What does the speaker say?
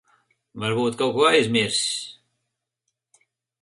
Varbūt kaut ko aizmirsis.